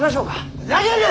ふざけるな！